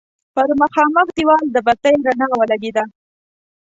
پر مخامخ دېوال د بتۍ رڼا ولګېده.